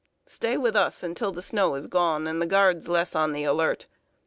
Stay with us until the snow is gone, and the Guards less on the alert.